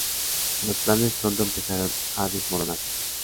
Los planes pronto empezaron a desmoronarse.